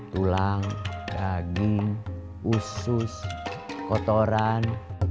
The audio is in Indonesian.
tulang daging usus kotoran